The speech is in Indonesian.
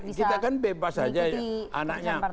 yang satu kita kan bebas aja anaknya